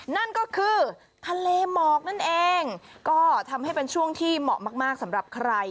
นั่นก็คือทะเลหมอกนั่นเองก็ทำให้เป็นช่วงที่เหมาะมากมากสำหรับใคร